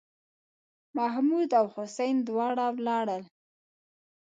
محمـود او حسين دواړه ولاړ ول.